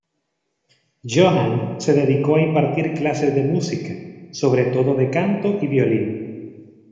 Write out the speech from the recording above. Johann se dedicó a impartir clases de música, sobre todo de canto y violín.